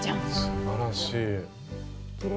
すばらしい。